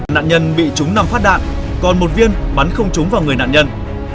nạn nhân bị trúng năm phát đạn còn một viên bắn không trúng vào người nạn nhân